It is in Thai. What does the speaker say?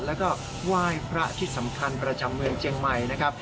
แล้วก็ไหว้พระที่สำคัญประจำเมืองเจียงใหม่นะครับ